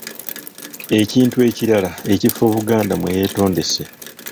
Ekintu ekirala ky’ekifo Buganda mwe yeetondese.